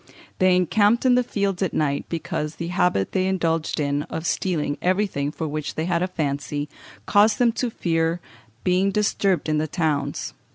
They encamped in the fields at night, because the habit they indulged in of stealing everything for which they had a fancy, caused them to fear being disturbed in the towns.